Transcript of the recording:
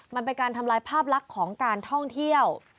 มันเป็นการทำลายภาพลักษณ์ของการท่องเที่ยว